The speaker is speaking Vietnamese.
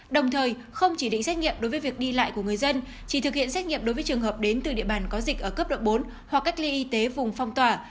đồng thời không chỉ định xét nghiệm đối với việc đi lại của người dân chỉ thực hiện xét nghiệm đối với trường hợp đến từ địa bàn có dịch ở cấp độ bốn hoặc cách ly y tế vùng phong tỏa